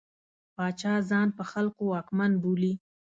پاچا ځان په خلکو واکمن بولي.